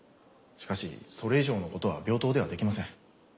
しかしそれ以上のことは病棟ではできません。